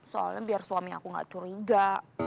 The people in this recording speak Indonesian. soalnya biar suami aku gak curiga